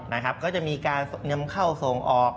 นะครับก็จะมีการนำเข้าส่งออก